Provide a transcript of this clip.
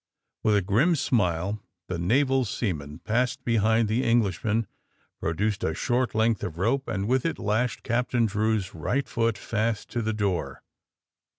With a grim smile the naval seaman passed behind the Englishman, produced a short length of rope and with it lashed Captain Drew 's right foot fast to the door.